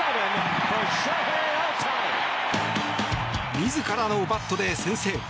自らのバットで先制。